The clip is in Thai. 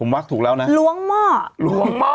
ฮะรวงหม้อรวงหม้อ